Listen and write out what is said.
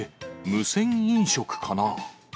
無銭飲食かな。